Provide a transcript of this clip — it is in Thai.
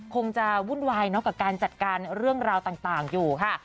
คงจะวุ่นวายเนาะกับการจัดการเรื่องราวต่างอยู่ค่ะ